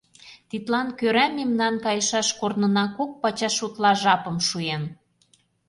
Тидлан кӧра мемнан кайышаш корнына кок пачаш утла жапым шуен.